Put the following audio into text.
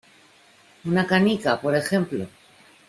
¿ una canica, por ejemplo?